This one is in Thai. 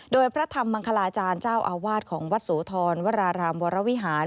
โดยพระธรรมมังคลาจารย์เจ้าอาวาสของวัดโสธรวรารามวรวิหาร